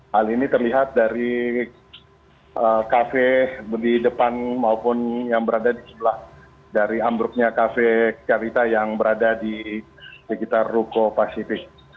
hal ini terlihat dari kafe di depan maupun yang berada di sebelah dari ambruknya kafe carita yang berada di sekitar ruko pasifik